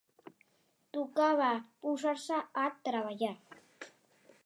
Tocava posar-se a treballar.